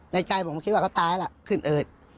ใจผมคิดว่าเขาตายล่ะขึ้นอืด